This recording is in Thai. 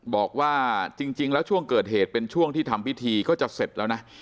บอกว่าจริงแล้วช่วงเกิดเหตุเป็นช่วงที่ทำพิธีก็จะเสร็จแล้วนะ